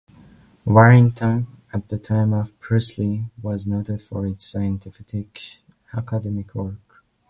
Warrington, at the time of Priestley, was noted for its scientific academic work.